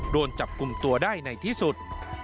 โดนจับกลุ่มตัวได้ในที่สุด